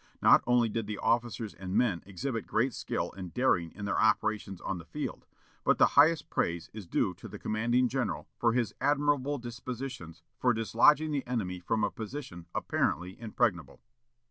Not only did the officers and men exhibit great skill and daring in their operations on the field, but the highest praise is due to the commanding general for his admirable dispositions for dislodging the enemy from a position apparently impregnable."